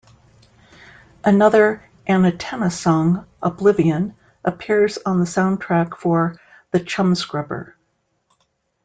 Another Annetenna song "Oblivion" appears on the soundtrack for "The Chumscrubber".